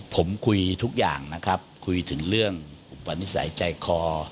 ผมคุยทุกอย่างนะครับคุยถึงเรื่องอุปนิสัยใจคอ